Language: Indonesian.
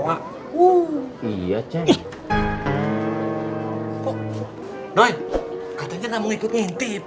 aku merantem lagi